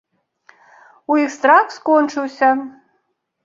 У іх страх скончыўся.